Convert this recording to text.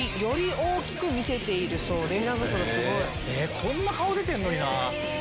こんな顔出てるのにな。